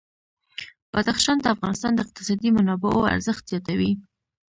بدخشان د افغانستان د اقتصادي منابعو ارزښت زیاتوي.